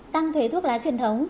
tăng thuế thuốc lá truyền thống